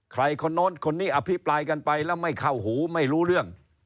คนโน้นคนนี้อภิปรายกันไปแล้วไม่เข้าหูไม่รู้เรื่อง